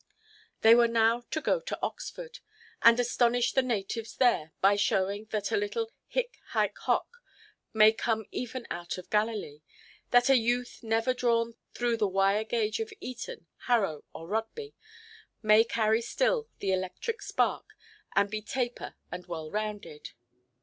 They were now to go to Oxford, and astonish the natives there, by showing that a little hic, hæc, hoc, may come even out of Galilee; that a youth never drawn through the wire–gauge of Eton, Harrow, or Rugby, may carry still the electric spark, and be taper and well–rounded.